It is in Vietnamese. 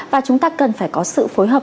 và chúng ta cần phải có sự phối hợp